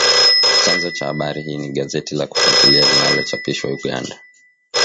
Chanzo cha habari hii ni gazeti la Kufuatilia linalochapishwa Uganda.